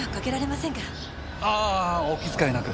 あぁお気遣いなく。